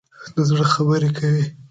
د زړه خبره کوي.